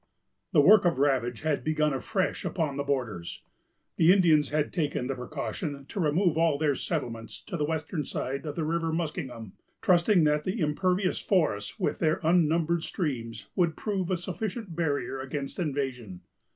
The work of ravage had begun afresh upon the borders. The Indians had taken the precaution to remove all their settlements to the western side of the River Muskingum, trusting that the impervious forests, with their unnumbered streams, would prove a sufficient barrier against invasion.